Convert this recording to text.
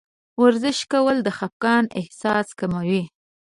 ورزش کول د خفګان احساس کموي.